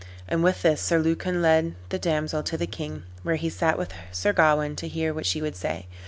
And with this Sir Lucan led the damsel to the king, where he sat with Sir Gawain, to hear what she would say.